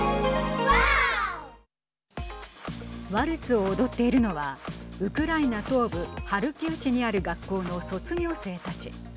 ワルツを踊っているのはウクライナ東部ハルキウ市にある学校の卒業生たち。